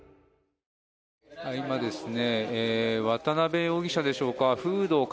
今、渡邉容疑者でしょうか。